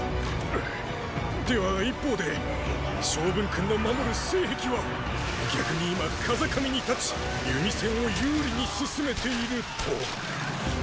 ででは一方で昌文君の守る西壁は逆に今風上に立ち弓戦を有利に進めているとーー。